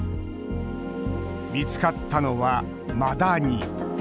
見つかったのはマダニ。